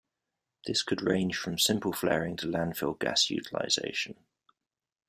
This could range from simple flaring to landfill gas utilization.